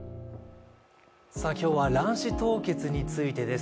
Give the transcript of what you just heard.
今日は卵子凍結についてです。